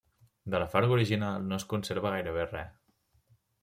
De la farga original no es conserva gairebé res.